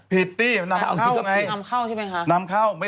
ผิดตี้มันนำเข้าไง